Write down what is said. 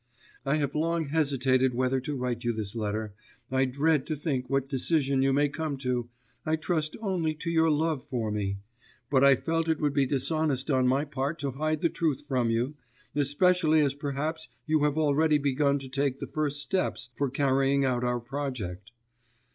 I have long hesitated whether to write you this letter, I dread to think what decision you may come to, I trust only to your love for me. But I felt it would be dishonest on my part to hide the truth from you especially as perhaps you have already begun to take the first steps for carrying out our project.